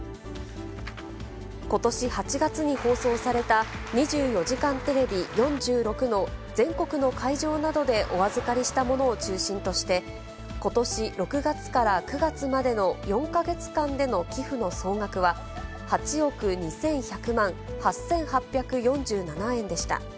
ことし８月に放送された２４時間テレビ４６の全国の会場などでお預かりしたものを中心として、ことし６月から９月までの４か月間での寄付の総額は、８億２１００万８８４７円でした。